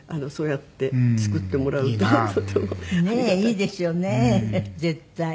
いいですよね絶対。